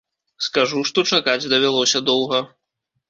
Скажу, што чакаць давялося доўга.